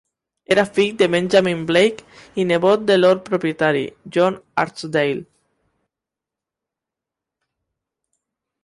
Era fill de Benjamin Blake i nebot del lord propietari, John Archdale.